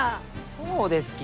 そうですき！